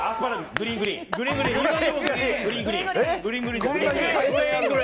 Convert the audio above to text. グリーン、グリーン。